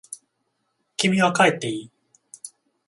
君は帰っていい。